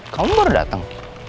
kamu baru dateng